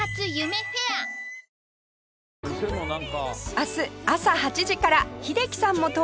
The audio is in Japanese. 明日朝８時から英樹さんも登場！